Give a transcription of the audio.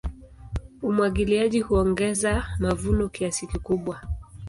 Umwagiliaji huongeza mavuno kiasi kikubwa.